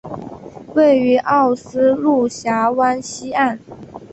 位于奥斯陆峡湾西岸。